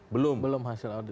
belum hasil audit akhir